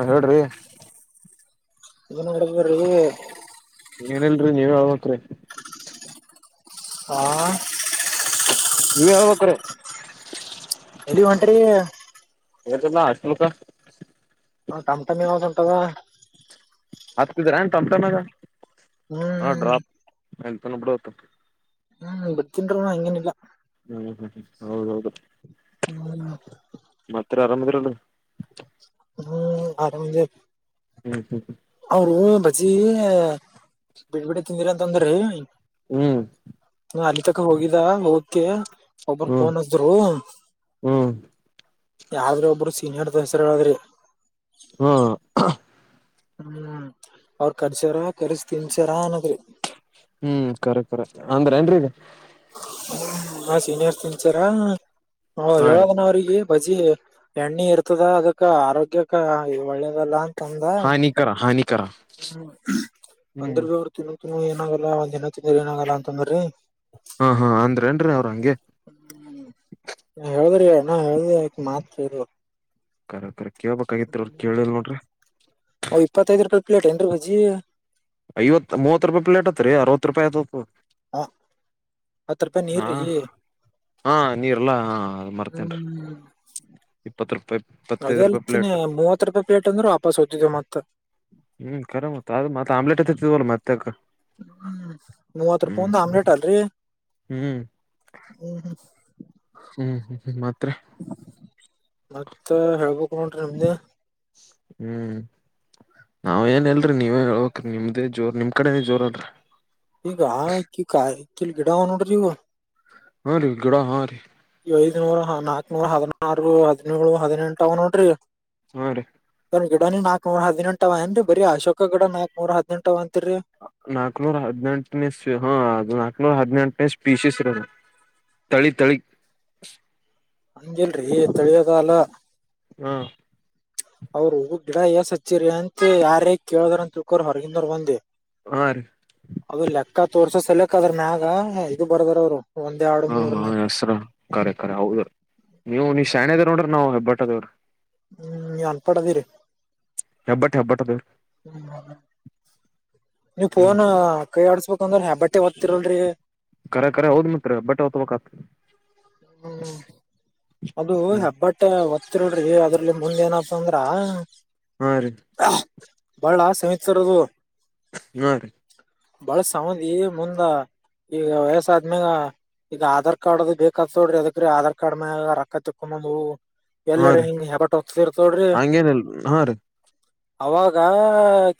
ಹಾ ಹೇಳ್ರಿ ಏನ ನಡದದ್ರಿ ಏನಿಲ್ರಿ ನೀವೆ ಹೇಳಬೇಕರಿ ಹಾ ಹ ನೀವ ಹೇಳ್ಬೇಕ್ರೀ ಎಲ್ಲಿಗ ಒಂಟ್ರರಿ ಏನ್ನಿಲ್ಲ ಹಚ್ಚಬೇಕಂತ ಒಂದ ಟಮ್ ಟಮ್ಮಿ ಹೋಗದು ತಗೋ ಹತಿದ್ರ ಏನ್ ಟಮ್ ಟಮ್ಮಿಂದ್ರ ಹ್ಮ್ ನೋಡ ಬ್ರೋ ಹ್ಮ್ ಬರ್ತನ್ರಿವ ಹಂಗೇನಿಲ್ಲಾ ಹ್ಮ್ ಹ್ಮ್ ಹ್ಮ ಹೌದೌದು ಹ್ಮ್. [unintelligible] ಇತರ, ಆರಾಮ್ ಇದ್ದೀರಲ್ಲ. [inaudible] ಹ್ಮ್, ಆರಾಮ್, ಇದೀವಿ. [inaudible] ಹ್ಮ್, ಹ್ಮ್, ಹ್ಮ್. [inaudible] ಅವರು, ಮಚ್ಚಿ, ಬಿಟ್ಟು ಬರ್ತೀನಿ ಅಂದ್ರು. [inaudible] ಹ್ಮ್. [inaudible] ಅಲ್ಲಿ ತನಕ ಹೋಗಿದ್ದ? ಓಕೆ ಹ್ಮ್ ಒಬ್ರು, ಹ್ಮ್ ಫೋನ್ ಹಚ್ಚಿದ್ರು. ಹ್ಮ್ [inaudible] ಯಾವ್ದ್ರ, ಒಬ್ರು ಸೀನಿಯರ್, ಹೆಸರು ಹೇಳದಿರಿ? [inaudible] ಹ್ಮ. [unintelligible] ಹ್ಮ್, ಅವ್ರ, ಕರ್ಸಿದ್ದೀರಾ, ಕರ್ಸ್ತೀನೀ, ಸರ್, ಅನ್ನೋದು. [inaudible] ಹ್ಮ್, ಕರಕರ ಅಂದ್ರೆ ಈಗ. [unintelligible] ಹಾ, ಸೀನಿಯರ್, ಇಂಚರ, ಹಾ ರೀ ಹೇಳದ ಅವರಿಗೆ? [unintelligible] ಬಜಿ, ಎಣ್ಣೆ ಇರ್ತದ ಅದಕ್ಕ ಆರೋಗ್ಯಕ್ಕ ಒಳ್ಳೇದಲ್ಲ, ಅ. [inaudible] ಹಾನಿಕರ, ಹಾನಿ. [inaudible] ಹ್ಮ್, ಆಂಡ್ರಾವ್ರು, ತಿನುಕಿಲ್ಲ, ಏನಾಗಲ್ಲ ಒಂದ್ ದಿನ ತಿಂದ್ರ ಏನಾಗಲ್ಲ ಅಂತಂದ್ರಿ? [unintelligible] ಹಾ, ಹಾ, ಅಂದ್ರ ಏನುರಿ, ಅವ್ರ ಹಂಗೆ? [unintelligible] ಹ್ಮ್ಮ್, ಹೇಳ್ದ ಯಾಕೆ, ಮಾತ್ ಕೇಳು? [unintelligible] ಕರೆಕಾರೆ. [inaudible] ಇಪ್ಪತ್ತೈದು, ರೂಪಾಯಿ! ಪ್ಲೇಟ್, ಏನ್ರೀ, ಬಜ್ಜಿ. [unintelligible] ಐವತ್ವತ್ತು, ರೂಪಾಯಿಮೂವತ್ತು,, ಪ್ಲೇಟ್, ಹತ್ರಿ ಅರವತ್ತು ರೂಪಾಯಿ, ಆ್ತತ್ತು. [unintelligible] ಹ. [inaudible] ಹತ್ತು, ರೂಪಾಯಿ, ನೀರು, ಹಾ ರಿ, ಹಾ ನೀರ್ಲ್ಲಾ ಮರ್ತೇನ್ರಿ ಹ್ಮ್. ಇಪ್ಪತ್ ರೂಪಾಯಿ [inaudible] ಇಪ್ಪತ್ತೈದ್ ರೂಪಾಯಿ ಪ್ಲೇಟ್ ಅದೇಲ್ತೀನಿ, ಮೂವತ್ತು, ರೂಪಾಯಿ! ಪ್ಲೇಟ್ ಅಂದ್ರೆ, ವಾಪಸ್ ಹೋಯಿತು, ಮತ್ತ. [inaudible] ಹ್ಮ್, ಕರ, ಮತ್ತ, ಅದು ಮತ್ತೆ ಆಮ್ಲೆಟ್ ಮತ್ತೆ? [inaudible] ಹ್ಮ್, ಮೂವತ್ ರೂಪಾಯಿ! ಹ್ಮ್ ಒಂದು, ಆಮ್ಲೆಟ್ ಅಲ್ರರಿ. ಹ್ಮ್ [inaudible] ಹ್ಮ, ಹ್ಮ. [inaudible] ಹ್ಮ್, ಹ್ಮ್, ಮಾಡು. [inaudible] ಮತ್ತ, ಹೇಳ್ಬೇಕು, ಕನೂರಿ, ಹಾಂಗೆ? [unintelligible] ಹ್ಮ್. [inaudible] ನಾವ್, ಏನ್ ಇಲ್ರಿ, ನೀವೇ, ಹೇಳುಬೇಕೂರಿ, ನಿಮ್ಧೆ, ಜೋರ್! ನಿಮ್ ಕಡೆನ ಜೋರ ಅಲ್ರರಿ. [inaudible] ಇಲ್ಲಿ, ಗಿಡ, ಅವಧೇ, ನೋಡ್ರಿ ಇವು. [inaudible] ಹೂ, ಗಿಡ, ಹರಿ. [inaudible] ಐದ್ನೂರ, ನಾಕಕ್ನೂರ, ಹದಿನಾರು, ಹದಿನೇಳು ಹದಿನೆಟ್, ಅವ ನೋಡ್ರಿ. [inaudible] ಹ, ರೀ. [inaudible] ಅವಗೀಡನ, ನಕವೇ, ಹದಿನೆಂಟು, ಅಏನ್ರಿ ಅಶೋಕ ಗಿಡ, ಆಕೋವರೆ, ಹದಿನಂಟವೆ, ಅ. [inaudible] ನಾಕ್ನೂರ, ಹದಿನೆಟ್ಟು, ನೇ ಇಸ್ವಿ, ಹಾ ಅದು ನಾಕನೂರ, ಹದಿನೆಂಟು. [inaudible] ಪೀಸೆಸಿ, ತಳಿ, ತಳಿ. [inaudible] ಹಂಗಿಲ್ರೀ ಚಳಿಗಾಲ? [inaudible] ಹೂ. [inaudible] ಅವರು, ಗಿಡ ಎಷ್ಟು ಹಚ್ಚಿರಿ, ಅಂತ ಕೇಳಿದ್ರು ಅಂತ, ತಿಳ್ಕೊಳಿ ಹೊರಗಿನವರು, ಬಂದಿ? ಹಾ ರೀ [unintelligible] ಅದು, ಲೆಕ್ಕ, ತೋರ್ಸ ಸಲಕ್ಕ, ಅದ್ರನ್ಯಾಗ, ಇದು ಬರ್ದಾರ, ಅವ್ರು. [inaudible] ಹಾ, ಮೂರ್ ಹಾ, ನಾಲ್ಕು ಹೆಸ್ರ! ಕರೆ, ಕರೆ, ಹೌದು? ನೀವು ನೀ ಶಾಣದ, ನೋಡಿ. [inaudible] ನಾವು ಹೆಬ್ಬಾಟ್ಟ ಅದೇವ್ರ. ಹ್ಮ್, ನೀವ್ ಅನ್ಪಡದಿರಿ. [inaudible] ಹೆಬ್ಬಟ್, ಹೆಬ್ಬಟ್ಟದ. [inaudible] ಹ್ಮ್, ನೀವು, ಹ್ಮ್ ಫೋನ್, ಕೈಯಾಡಿಸಬೇಕು. [inaudible] ಪುನಃ, ಹೆಬ್ಬಟ್ಟು ಒತ್ತುತೀರಲ್ರೀ? [unintelligible] ಕರೆ, ಕರೆ, ಹೋಗು, ಮತ್ತ, ಬೆಟ್ಟಹೊತ್ತಾಗುತ್ತೆ? [unintelligible] ಹ್ಮ್, ಅದು, ಹ್ಮ್ ಹೆಬ್ಬಟ್ಟ? ಒ.. [unintelligible] ಆಗ್ತಿದ್ರಲ್ಲ, ಅದ್ರಲ್ಲಿ ಮುಂದೇ, ಏನಪ್ಪ ಅಂದ್ರ. [inaudible] ಹಾ, ರೀ! [inaudible] ಬಳ್ಳ ಸಂವಿಸ್ತರ್ ಅದು. ಹ್ಮ್ ರೀ ಬಳ್ಳ ಸವಿಂದಿ ಮುಂದ ಈಗ ವಯಸ್ಸ ಆದ್ಮ್ಯಾಗ ಈಗ ಆಧಾರ್ ಕಾರ್ಡ್ ಅದು ಬೇಕ ಕ್ಕ ತೋಡ್ರಿ ಯಾದಕ್ರೆ ಆಧಾರ್ ಕಾರ್ಡ್ ಮ್ಯಾಗ ರಕ್ಕ ತೆಕ್ಕಮದು. ಹಾ ಎಲ್ಲಾರ ರೀ ಹಿಂಗ ಹೆಬಟ್ ಒತ್ತದ ಇರ್ತದ ನೋಡ್ರಿ. ಹಂಗೇನಿಲ್ ಹಾ ರೀ ಅವಾಗ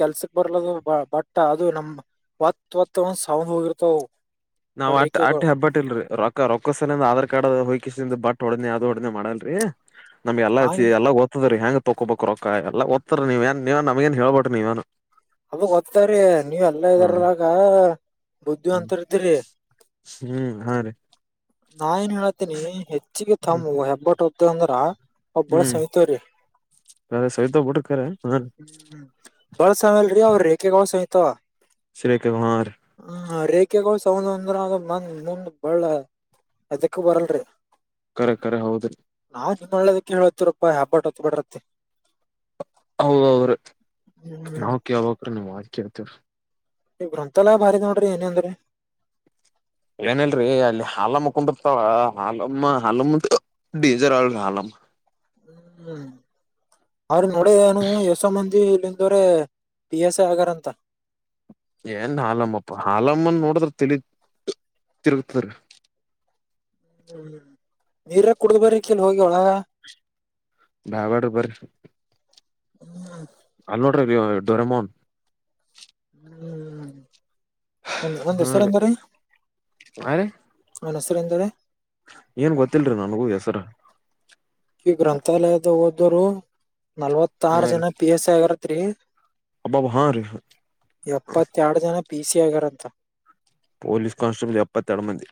ಕೆಲ್ಸಕ್ ಬರ್ಲದು ಬ ಬಟ್ ಅದು ನಮ್ ಒತ್ತ ಒತ್ತ ಅಂವ ಸವಂದ ಹೋಗಿರ್ತಾವ ಅವು. ನಾವ್ ಅಟ್ ಅಟ್ ಹಬ್ಬಟ್ಟ ಇಲ್ರಿ ರೊಕ್ಕ ರೊಕ್ಕ ಸ ತ ನಂದ ಆಧಾರ್ ಕಾರ್ಡ್ ಅದು ಹೋಗ್ಕೆಸಿಂದ ಬಟ್ ಹೊಡುದನ್ಯಾ ಅದು ಹೊಡುದನ್ಯ ಮಾಡಲ್ರಿ ನಮಗೆಲ್ಲ ಚಿ ಹಂಗ ಎಲ್ಲ ಹೊ ದ್ರಿ ಹೆಂಗ ತೊಕೊ ಬೋಕು ರೊಕ್ಕ ಎಲ್ಲ ಗೊತ್ತರಿ ನೀವ ಏನ್ ನಮಗ ಎನ್ ಹೇಳ್ಬ್ಯಾಡ್ರಿ ನೀವೇನ. ಅದು ಗೊತ್ತಾರೀ ನೀವ್ ಎಲ್ಲಾ ಹ್ಮ್ ಇದ್ರಾಗ ಹ್ಮ್ ಬುದ್ಧಿವಂತರ ಇದ್ದೀರಿ. ಹ್ಮ್ ಹಾ ರೀ ನಾ ಏನ್ ಹೇಳತೀನಿ ಹೆಚ್ಚಿಗಿ ಥಮ್ ಹ್ಮ್ ಹೆಬ್ಬಟ್ಟ ಒತ್ತೆ ಅಂದ್ರ. ಅವ್ ಬಳ್ ಹ್ಮ್ ಸಹಿತವ್ರಿ ಅ ಸವಿತ ಬುಡ್ರಿ ಕರೆ. ಬಳ್ಳ ಸಂವ್ಯಲ್ರಿ ಅವ್ ರೆಕೆಗೋಳ ಸಾವಿಂತವ ಶ್ರೀರೇಖಾ ಹಾ ರೀ ಹ ರೇಖೆಗೋಳ ಸ್ ಸಂವದು ಅಂದ್ರ ಅದು ಮಂದ ಮುಂದ್ ಬಳ್ಳ ಯದುಕು ಬರಲ್ರಿ. ಕರೆ ಕರೆ ಹೌದ್ರಿ. ಆದ್ ಒಳ್ಳೇದಕೆ ಹೇಳತಿವರಪ್ಪಾ ಹೆಬ್ಬಟ್ ಒತ್ತಬ್ಯಾಡ್ರಿ ಅತ್ತಿ. ಔರಿ ಹ್ಮ್ ನಾವ್ ಕೇಳ್ಬೇಕ್ರಿ ನೀಮ್ ಮಾತ್ ಕೇಳ್ತೇವ್ರಿ. ಈ ಗ್ರಂಥಾಲಯ ಭಾರಿ ಅದ ನೋಡ್ರಿ ಏನೆ ಅಂದುರಿ. ಏನಿಲ್ರಿ ಅಲ್ಲಿ ಹಾಲ ಮುಕೊಂಡ್ ಬಿರ್ತಾವ ಹಾಲಮ್ಮ ಹಾಲಮ್ಮ ಡೇಂಜರ್ ಹಾಳ್ ರಿ ಹಾಲಮ್ಮ. ಹ್ಮ್ ಅವ್ರಿಗ ನೋಡೆ ಏನು ಎಸೋ ಮಂದಿ ಇಲ್ಲಿಂದೋವ್ರೆ ಪಿ ಎಸ್ ಐ ಆಗ್ಯರಂತ್. ಏನ್ ಹಾಲಮ್ಮಪ್ಪ ಹಾಲಮ್ಮನ್ ನೋಡಿದ್ರ ತಲಿ ತಿರಗತದ್ರಿ. ಹ್ಮ್ ನೀರೆ ಕುಡ್ದ್ ಬರ್ರಿ ಕಿಲ್ ಹೋಗಿ ಒಳಗ. ಬ್ಯಾಡ್ ಬಡ್ ಬರ್ರಿ. ಹ್ಮ್ ಅಲ್ ನೋಡ್ರಿ ರಿಯೋ ಡೊರೆಮೋನ್. ಹ್ಮ್ ಹ್ಮ್ ಅವಂದ ಅವಂದ ಹಾ ಹೆಸುರು ಎಂದರಿ ಹಾ ರೀ ಅವ್ನ ಹೆಸುರು ಏನಂದ ರಿ. ಏನ್ ಗೊತ್ತಿಲ್ರಿ ನನಗೂ ಹೆಸರ. ಈ ಗ್ರಂಥಾಲಯದ ಓದೋರು ನಲ್ವತಾರ ಹಾ ರೀ ಜನ ಪಿ ಎಸ್ ಐ ಆಗ್ಯರಂತ್ರಿ. ಅಬ್ಬಾಬ ಹಾ ರೀ ಎಪ್ಪತ್ತ ಎರಡು ಜನ ಪಿ ಸಿ ಆಗ್ಯರಂತ. ಪೋಲಿಸ್ ಕಾಸ್ಟೇಬಲ್ ಎಪ್ಪತ್ತ ಎರಡ್ ಮಂದಿ.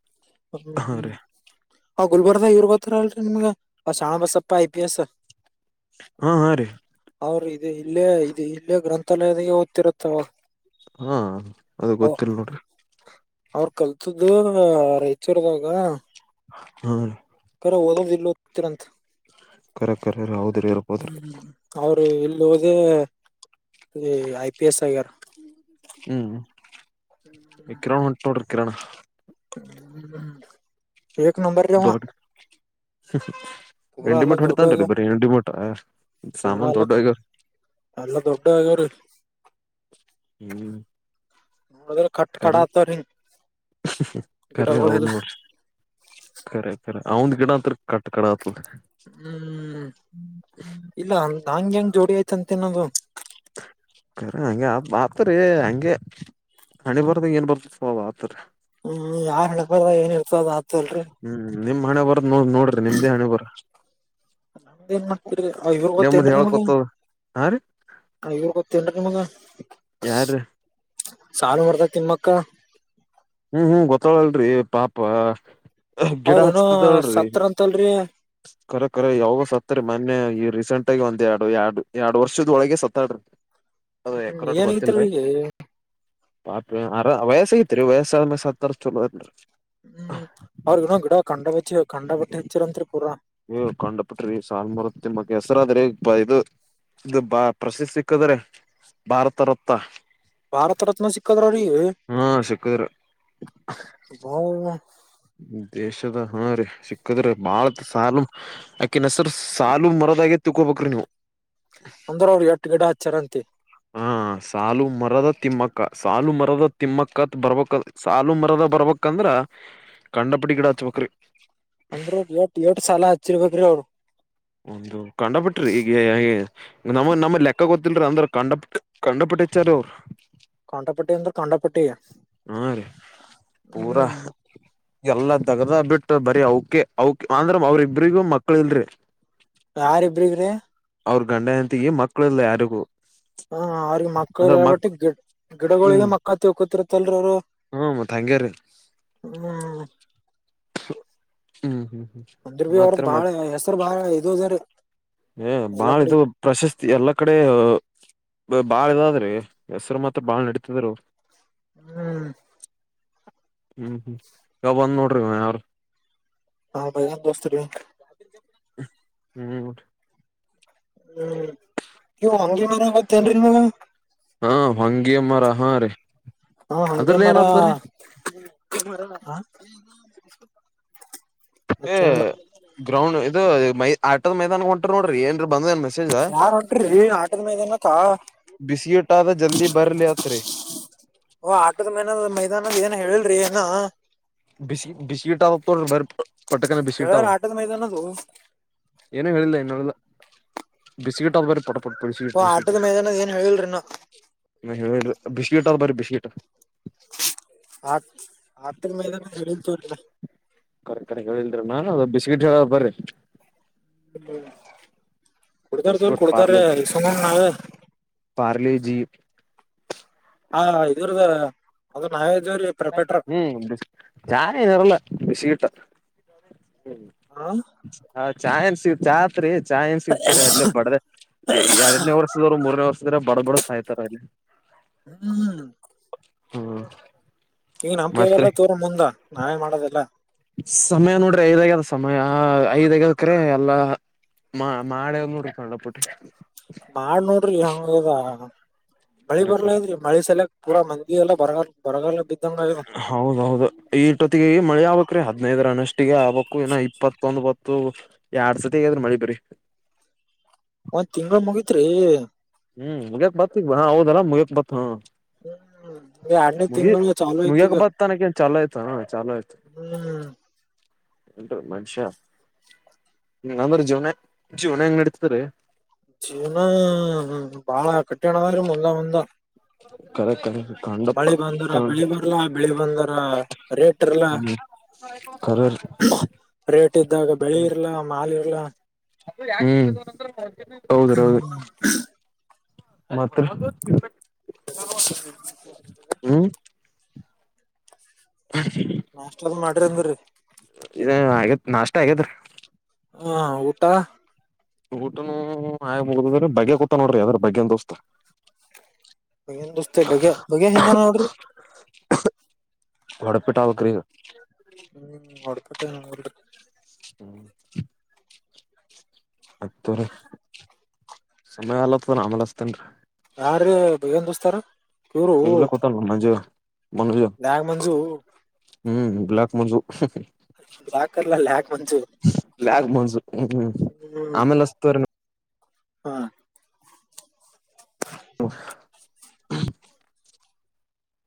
ಹಾ ಹ್ಮ ರೀ ಹೌ ಗುಲ್ಬರ್ದ ಇವರ್ ಗೋತ್ರ ಅಲ್ರಿ ನಿಮ್ಗ ಆ ಶಾಣ ಬಸಪ್ಪ ಐ ಪಿ ಎಸ್. ಹಾ ಹಾ ರೀ. ಅವ್ರ ಇದೆ ಇಲ್ಲೇ ಇದೆ ಇಲ್ಲೇ ಗ್ರಂಥಾಲಯದಾಗೆ ಓದ್ತಿರತ್ತ ಅವಾಗ್. ಹಾ ಅದು ಗೊತ್ತಿಲ್ಲ ನೋಡ್ರಿ. ಅವ್ರ ಕಲ್ತಿದ್ದು ರಾಯಚೂರ್ದಾಗ. ಹ ರಿ ಜರ ಓದೋದ ಇಲ್ ಒತಿರಂತ್. ಕರೆ ಕರೆ ರೀ ಹೌದ್ರಿ ಇರ್ಬೋದ್ರಿ ಹ್ಮ್ ಅವ್ರು ಎಲ್ ಒದೆ. ಈ ಐ ಪಿ ಎಸ್ ಆಗ್ಯರ. ಹ್ಮ್ ಇ ಕಿರಣ್ ಹೊಂಟ್ ನೋಡ್ರಿ ಕಿರಣ. ಹ್ಮ್ ಏಕ್ ನಂಬರಿ ಅಂವಾ. ಹ್ ಹ್ ಎಂಡಿ ಮೀಟರ್ ಹೊಡಿತಾನ್ರಿ ಆಗ್ಯಾವ ಬರೆ ಎಂಡಿ ಮೀಟರ ಸಾಮಾನ್ ದೊಡ್ಡು ಆಗ್ಯವ. ಎಲ್ಲಾ ದೊಡ್ಡು ಆಗ್ಯವ ರಿ. ಹ್ಮ್. ನೋಡಿದ್ರ ಕಟ್ ಕಡ ಕರೆ ಆತವ್ರಿ ಹಿಂಗ್ ಕರೆ ಗಿಡಗಳೆಲ್ಲ ಹೌನ್ೋ. ರಿಖರಿ ಅವಂದ್ ಗಿಡ ಅತ್ ಕಟ್ ಕಡ. ಆತದ ಹ್ಮ್ ಇಲ್ಲ ಹಂಗ ಹೆಂಗ ಜೋಡಿ ಆಯ್ತಂತನದು. ಕರ ಹಂಗೆ ಆ ಆತರಿ ಹಂಗೆ ಹಣಿ ಬರ್ದಂಗ ಏನ್ ಬರ್ತ ಆತರಿ. ಹ್ಮ್ ಯಾರ್ ಹೆಕ್ಬಾರ ಏನ್ ಇರ್ತದ ಆತಲ್ರರಿ. ಹ್ಮ್ ನಿಮ್ ಹಣೆ ಬರದ ನೋ ನೋಡ್ರಿ ನಿಮ್ದೇ ಹಣೆ ಬರ. ನಮ್ದ ಏನ್ ಮಾಡ್ತರಿ ಐವರ್ ನಿಮ್ದ್ ಗೊತ್ತೇಏನ್ೀ ನಿಮ್ಗೆ ಹೇಳ್ಕೊತದ ಹಾ ರೀ ಐವ. [unintelligible] ಯಾರ್ರೀ ಸಾಲು ಮರದ ತಿಮ್ಮಕ್ಕ. ಹ್ಮ್ ಹ್ಮ್ ಗೊತ್ತಳಲ್ರಿ ಪಾಪ. ಗಿಡ ಅವ್ರ ಏನೋ ಹಚ್ತಿದಳರಿ ಸತ್ರ ಅಂತಲ್ರಿ ಕರ ಕರ ಯಾವ ಸತ್ತರಿ ಮನ್ಯ. ರೀಸೆಂಟ್ ಆಗಿ ಒಂದ್ ಎರಡು ಎರಡು ಎರಡು ವರ್ಷದ ಒಳಗೆ ಸತ್ತಾಡ್ರ. ಅದ ಹ್ಮ್ ಎಕರೋಟ್ಟ ಗೊತ್ತನ್ ರೀ. ಏನಗತ್ರಿ ಪಾಪ ಅರ ವಯಸ್ಸ ಐತ್ರಿ ವಯಸ್ಸಾದ್ಮ ಸತ್ತರ ಚಲೋ ಅತ್ರಿ. ಹ್ಮ್ ಅವ್ರಗ ಗಿಡ ಕಂಡ ಬಚ್ಚಿ ಕಂಡ ಬಟ್ಟೆ ಹೆಚ್ಚರಂತ್ರಿ ಪೂರ. ಏ ಕಂಡು ಪುಟ್ರಿ ಸಾಲ್ಮರು ತಿಮ್ಮಗ್ ಹೆಸರಾದ್ರೆ ಇದು. ಇದು ಬಾ ಪ್ರಸಿದತಿ ಸಿಕ್ಕಿದ್ರೆ ಭಾರತ ರತ್ತ. ಭಾರತ ರತ್ನ ಸಿಕ್ಕದ್ರ್ರೀ. ಹಾ ಸಿಕ್ಕದ್ರಿ ದೇಶದ ಹಾ ರೀ ಸಿಕ್ಕದ್ರ ಬಾಳತ್ ಸಾರ್ ಅಕಿ ನಸರು. ಸಾಲು ಮರದಾಗೆ ತಿಕೋಬೇಕಿ ನೀವು ಅಂದ್ರ ಅವ್ರು ಎಟ್ು ಗಂಡ ಹಚ್ಚರಂತೆ. ಹ್ಮ್. ಹ ಸಾಲು ಮರದ ತಿಮ್ಮಕ್ಕ ಸಾಲು ಮರದ ತಿಮ್ಮಕ್ಕತ್ ಬರಬೇಕೂದ್ರೆ ಸಾಲು ಮರದ ಬರಬೇಕೂದ್ರೆ. ಕಂಡಪಿಡ ಗಿಡ ಅಚ್ಚ ಬೇಕು ರೀ. ಅಚ್ಚಿ ಇರ್ಬೇಕು ರೀ ಅವ್ರು. ಒಂದು ಕಂಡ ಬಿಿಟ್ರಿ ಈಗ ನಮ್ಮ ನಮ್ಮ ಲೆಕ್ಕ ಗೊತ್ತಲ್ರಿೀ ಅಂದ್ರ ಕಂಡ ಕಂಡ ಬಿಟ್ಟಿ. ಅಡಚರೂರ್. ಕಾಂಟಾಪಟ್ಟಿ ಅಂದ್ರ ಕಾಂಟಾಪಟ್ಟಿ ಹ್ಮ ರೀ ಪೂರಾ ಹ್ಮ್ ಎಲ್ಲ. ತಗದ ಬಿಟ್ಟ ಬರ ಅವಕೆೆ ಅಂದ್ರ ಅವ್ರ ಇಬ್ರಿಗೂ ಮಕ್ಳ ಇಲ್ರಿ. ಯಾರಿಬ್ರಗ್ರಿ. ಅವ್ರ ಗಂಡ ಅಂತಿಗೆ ಮಕ್ಕಳೆಲ್ಲ ಯಾರಿಗೂ. ಹ ಅವ್ರಿಗೆ ಅಂದ್ರ ಮಕ್ಕಳ ಮಕ್ ಬಟ್ಟಿ ಗಿ ಗಿಡಗಳಿಗೆ ಹ್ಮ್ ಮಕ್ಕ ತಕೊತಿಿತ್ತಲ್ರ ಅವ್ರು. ಹ್ಮ ಮತ್ ಹಂಗೇರಿೀ. ಹ್ಮ್ ಹ್ಮ್ ಹ್ಮ್. ಹ್ಮ್ ಅಂದ್ರ ಬಿ ಅವ್ರದ ಮಾತ್ರ ಬಾಳ ಹೆಸರು ಬಾಳ ಇದುದ್ರ. ಏ ಬಾಳ ಇದು ಪ್ರಶಸ್ತಿ ಎಲ್ಲಾ ಕಡೆ. ಬಾಳ್ ಇದಾದ್ರೀ ಹೆಸರು ಮತ್ರ ಬಾಳ್ ನಡೀತಿದ್ರು. ಹ್ಮ್. ಹ್ಮ್ ಹ್ಮ್ ಯ ಬಂದ್ ನೋಡ್ರಿ ಯಾರ. ಹಾ ಭೈದಾನ ಬೆಸ್ಟು ರೀ. ಹ್ಮ್. ಹ್ಮ್ ನೀವು ಅಂಗಗೆ ಮರಗತ್ತ ಅಲ್ರಿ ನೀ. ಹಾ ಹೊಂಗೆ ಮರ ಹ ರೀ. ಹಾಹೊಂಗೆ ಅದ್ರಲ್ ಏನ್ ಮರ. ಆತದ್ರೀ ಏ ಮತ್ತೇನಿಲ್ಲ ಗ್ರೌಂಡ್ ಇ ಮ ಆಟದ್ ಮೈದಾನ ಹೊಂಟ್ರ ನೋಡ್ರಿ ಏನ್. ಯಾರ್ ಹೊಂಟ್ರಿ ಆಟದ ಮೈದಾನಕ್ಕ [unintelligible] ಜಲ್ದಿ ಬರ್ಲಿ ಅತ್ರರಿ. ಓ ಆಟೋದ ಮೈ ಮೈದಾನದ ಏನ ಹೇಳಲ್ರಿಿ ಏನ. ಿಸ ಬಿಿಸ್ಕಿಟ್ ಬ. ಕರೇನಾ ಆಟದ ಮೈದಾನ ದು ಏನೋ ಹೇಳಿಲ್ಲ ಇನ್ನೋಲ್ಲ ಬಿಸಿಗಟ್ಟ ಆದ ಬರಿ ಪಟ್ಟ. ಓ ಆಟದ ಮೇದಾನದ ಏನ್ ಹೇಳಿಲ್ರಿೀನು ಹೇಳರಿ ಬಿಸ್ಕಿಟ್ ಅವೆ ಬರಿ ಬಿಸ್ಕಿಟ್ ಆ ಆಟ ಮೇದಾನ ತೂರಿಇನ್ನಾ ಕರೆಕ್ ಕಕ್ ಹೇಳಿಲ್ದ್ರಿ ನಾನನ್ ಅದು ಬಿಸ್ಕಿಟ್ ಹೇಳ ಬರ್ರಿ ಹ [unintelligible] ಕುಡತಾರ್ದವರು ಬಿಸ್ಕಿಟ್ ಕುಡ್ತಾರ ಪಾರ್ಲೆ ಈ ಸಕ [unintelligible] ನಾವೇ ಪಾರ್ಲೆ ಜಿ ಹಾ ಇದ್ರದಾರ ಅದು ನಾವ ಹ್ಮ್ ಚಾಯ ನಿರಲ್ಲ ಬಿಸಿಕಟ್ಟ ಹಾ ಚಾಯ್ನ್ ಸಿಗ್ ಚಾತ್ರಿ ಚಾಯ್ನ್ ಸಿಗ್ತರಿ ಅಲ್ಲೇ ಬಡ್ದ ಎರಡನೇ ವರ್ಷದರು ಮೂರನೇ ವರ್ಷ ಬಡ ಬಡದ್ ಸಾಯ್ತಾರ ಅಲ್ಲಿ ಹ್ಮ್ ಹ್ಮ್ ಹ್ಮ್ ಈಗ ನಮ್ ಕೈಲ್ಲಲ್ಲ ತೋರ್ ಮುಂದ ನಾನೇನ್ ಮಾಡೋದಲ್ಲ. ಸಮಯ ನೋಡ್ರಿ ಐದ್ ಆಗ್ಯದ ಸಮಯ ಐದ್ ಆಗ್ಯದಕ್ರೆ ಎಲ್ಲಾ ಮಾ ಮಳೆ ಒ ನೋಡ್ಕಲ್ಲ ಪುಟ್ಟೆ. ಬಾಳ ನೋಡ್ರಿ ಹಂಗದ [unintelligible] ಮಳಿ ಕರೆ ಕರೆ ಬರ್ಲಾಗ್ಯ್ಡ್ರಿ ಮಳಿ ಸಲಯಕ್ ಪೂರಾ ಮಂದಿ ಎಲ್ಲ ಬರಗ ಬರಗಲ್ಲ ಬಿದ್ ಹೌದೌದು ಈಷ್ಟೊತ್ತಿಗೆ ಮಳೆ ಆಗಬೇಕ್ರಿ ಹದ್ನೈದರನಷ್ಟ ಒಟ್ಟಿಗೆ ಆಬಕ್ಕು ಏನೋ ಇಪ್ಪತ್ತೊಂದ ಬತ್ತು ಎರಡ್ ಸತಿ ಆಗಾದ್ರಿ ಮಳಿ ಬ್ರಿ ಒಂದ್ ತಿಂಗಗಳು ಮುಗತ್ರಿ ಹ್ಮ್ ಮುಗ್ಯಕ್ ಬಾತ್ ಹಾ ಹೌದಲ್ಲಾ ಮುಗ್ಯತ್ ಮತ್ ಹ ಹ್ಮ್ ಈ ಎರಡನೇ ಮುಗಿ ತಿಂಗಳು ಚಾಲೂ ಐತಿ ಮುಗಿಯಕ ಈಗ ಬರ್ತನಕ ನ್ ಚಲೋ ಆಯ್ತ ಚಾಲೋ ಆಯ್ತು ಹ್ಮ್ ಎಟ [unintelligible] ಮನುಷ್ಯ ಹ್ಮ ಅಂದ್ರ ಜೀವನ ಜೀವನ ಹೆಂಗ್ ನಡತರಿೀ ಜೀವನ ಬಾಳ ಕಠಿಣ ಅದ್ರಿ ಮುಂದ ಮುಂದ ಕರೆ ಕರೆ ಹ್ಮ್ ಮಾಳಿ ಬಂದರ ಬೆಳಿ ಬರ್ಲಾ ಬೆಳಿ ಬಂದರ ರೇಟ್ ಇರಲ್ಲ ಕರರ್ ರೇಟ್ ಇದ್ದಾಗ ಬೆಳಿ ಇರ್ಲ ಮಾಲ್ ಇರ್ಲಾ ಹ್ಮ್ ಹೌದ್ರ ಹೌದ್ರ ಮತ್ತ ಹ್ಮ್ ಹ [inaudible] ನಾಷ್ಟದ ಮಾಡ್ರಿ ಅಂದ್ರರಿ ಇ ಆಗೇತ್ ನಾಷ್ಟ ಆಗೇತ್ ರಿ ಹಾ ಊಟ ಊಟನು ಆಯ ಮುಗದ್ರೆ ಬಗ್ಗೆ ಕೂತ ನೋಡ್ರಿ ಅದ್ರ ಬಗ್ಗೆನ್ ದೋಸ್ತ ಬನ್ ದೋಸ್ತತೆ ಬಗ್ಯ ಬಗ್ಯ ಹಂಗನ ನೋಡ್ರಿ ಹೊಡಪಿಟ್ಟ ಅವ ಕಾಯಗೆ ಹ್ಮ್ ಹೊಡಪಟ್ಟೆ ನ [unintelligible] ಹ್ಮ ಆಗ್ತ್ರ ಸಮಯ ಆಲತ್ ಆಮೇಲೆಸ್ತೇನ್ರಿೀ ಯಾರ ಭ [unintelligible] ಏನು ದೋಸ್ತಾರ ಇವ್ರು ಇಲಕುತ್ತಲ್ಲ ಮಂಜು ಮನುಜ ಲ್ಯಾಗ್ ಮಂಜು ಹ್ಮ್ ಬ್ಲಾಕ್ ಮಂಜು. ಯಾಕರ್ಲ ಅಲ್ಲ ಯಾಕೆ ಮಂಜು ಬ್ಲಾಕ್ ಗ್ ಮಂಜು ಹ್ಮ್ ಹ್ಮ್ ಆಮೇಲೆ ಹಸ್ತ್ರಿ ಹಾ [unintelligible]